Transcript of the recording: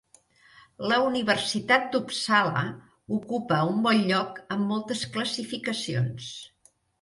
La Universitat d'Uppsala ocupa un bon lloc en moltes classificacions.